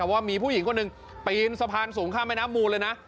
ว่ามีผู้หญิงคนหนึ่งปีนสะพานสูงข้ามแม่น้ำมูลเลยนะ